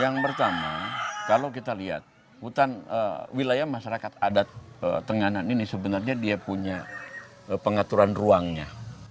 yang pertama kalau kita lihat hutan wilayah masyarakat adat tenganan ini sebenarnya dia punya pengaturan ruangnya